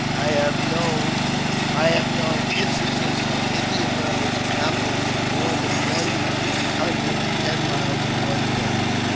I hive known instances of Inlian runners accomplishing more than oae huadrel and ten miles in one day.